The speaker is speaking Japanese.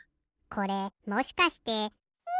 これもしかして。